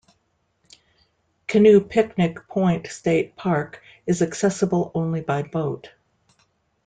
Canoe-Picnic Point State Park is accessible only by boat.